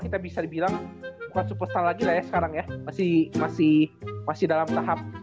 kita bisa dibilang bukan superstal lagi lah ya sekarang ya masih masih dalam tahap